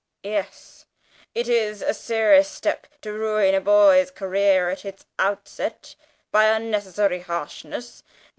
"Yes; it is a serious step to ruin a boy's career at its outset by unnecessary harshness.